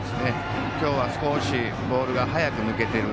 今日は少しボールが早く抜けている。